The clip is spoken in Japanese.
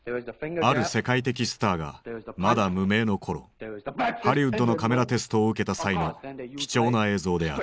ある世界的スターがまだ無名の頃ハリウッドのカメラテストを受けた際の貴重な映像である。